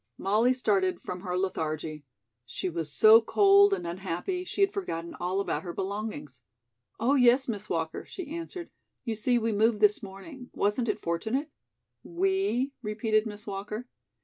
Molly started from her lethargy. She was so cold and unhappy, she had forgotten all about her belongings. "Oh, yes, Miss Walker," she answered. "You see, we moved this morning. Wasn't it fortunate?" "We?" repeated Miss Walker.